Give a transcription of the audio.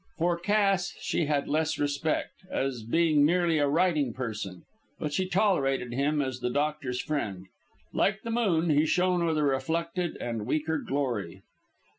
For Cass she had less respect, as being merely a "writing person;" but she tolerated him as the doctor's friend. Like the moon, he shone with a reflected and weaker glory.